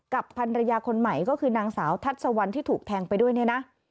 พันรยาคนใหม่ก็คือนางสาวทัศวรรณที่ถูกแทงไปด้วยเนี่ยนะ